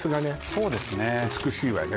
そうですね美しいわよね